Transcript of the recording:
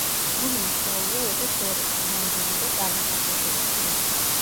ნული მიჩნეულია როგორც ორივე, ნამდვილი და წარმოსახვითი რიცხვი.